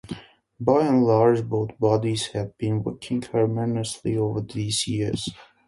By and large, both bodies had been working harmoniously over these years.